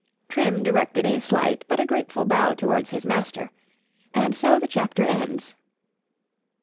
——Trim directed a slight,——but a grateful bow towards his master,——and so the chapter ends.